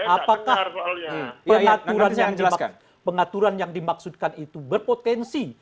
apakah pengaturan yang dimaksudkan itu berpotensi